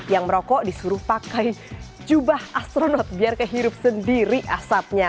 yang merokok disuruh pakai jubah astronot biar kehirup sendiri asapnya